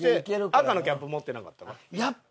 赤のキャップ持ってなかったから。